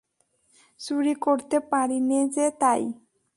চুরি করতে পারি নে যে তাই।